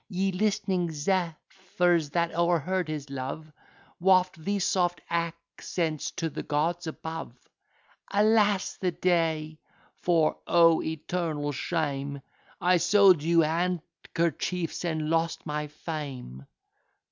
Ye listening Zephyrs, that o'erheard his love, Waft the soft accents to the gods above. Alas! the day; for (O, eternal shame!) I sold you handkerchiefs, and lost my fame.